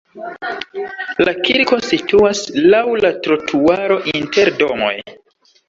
La kirko situas laŭ la trotuaro inter domoj.